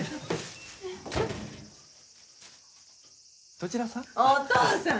どちらさん？